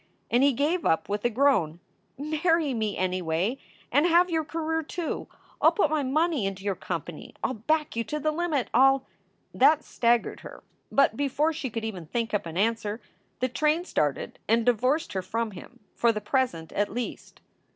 And he gave up with a groan: "Marry me anyway and have your career, too. I ll put my money into your company. I ll back you to the limit. I ll" That staggered her, but before she could even think up an answer the train started and divorced her from him for the present, at least.